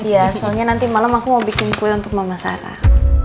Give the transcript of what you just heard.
ya soalnya nanti malam aku mau bikin kue untuk mama sarah